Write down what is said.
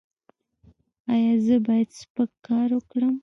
ایا زه باید سپک کار وکړم؟